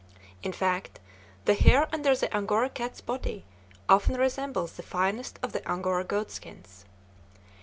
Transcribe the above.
In fact, the hair under the Angora cat's body often resembles the finest of the Angora goatskins.